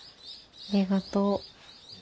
ありがとう。